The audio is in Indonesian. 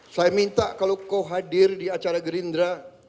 saya minta kalau kau hadir di acara gerindra